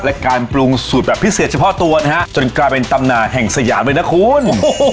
และการปรุงสูตรแบบพิเศษเฉพาะตัวนะฮะจนกลายเป็นตำนานแห่งสยามเลยนะคุณ